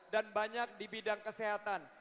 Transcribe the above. dan banyak di bidang kesehatan